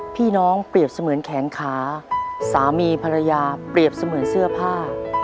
พี่น้องเปรียบเสมือนแขนขาสามีภรรยาเปรียบเสมือนเสื้อผ้า